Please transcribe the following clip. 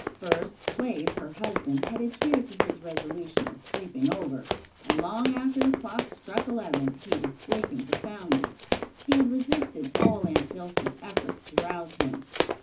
First, Claib, her husband, had adhered to his resolution of sleeping over, and long after the clock struck eleven he was sleeping profoundly. He had resisted all Aunt Dilsey's efforts to rouse him.